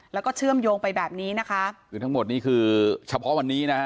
แล้วก็เชื่อมโยงไปแบบนี้นะคะคือทั้งหมดนี้คือเฉพาะวันนี้นะฮะ